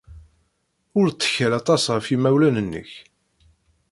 Ur ttkal aṭas ɣef yimawlan-nnek.